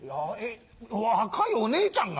若いお姉ちゃんが？